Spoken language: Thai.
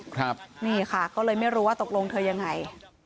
ครับนี่ค่ะก็เลยไม่รู้ว่าตกลงเธอยังไง